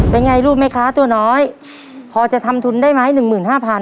เป็นไงลูกไหมคะตัวน้อยพอจะทำทุนได้ไหมหนึ่งหมื่นห้าพัน